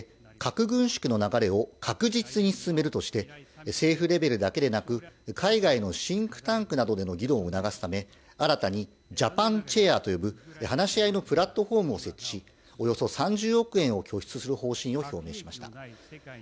実現する具体策として核軍縮の流れを確実に進めるとして政府レベルだけでなく、海外のシンクタンクなどでの議論を促すため新たに、ジャパンチェアと呼ぶ話し合いのプラットフォームを設置し、およそ３０億円を拠出する方針を表明しました。